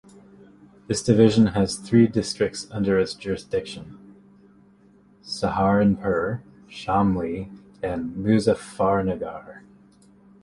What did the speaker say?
This division has three districts under its jurisdiction: Saharanpur, Shamli and Muzaffarnagar.